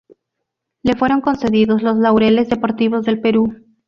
Le fueron concedidos los Laureles deportivos del Perú.